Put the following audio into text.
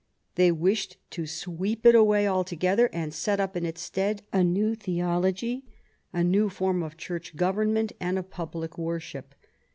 They wished to sweep it away altogether, and set up in its stead a new theology, a new form of Church government and of public worship.